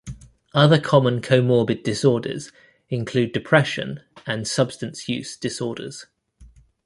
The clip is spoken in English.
Other common comorbid disorders include depression and substance use disorders.